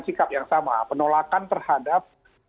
sikap yang sama penolakan terhadap